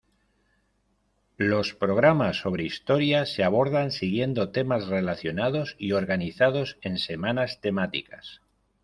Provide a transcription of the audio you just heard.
Los programas sobre historia se abordan siguiendo temas relacionados y organizados en semanas temáticas.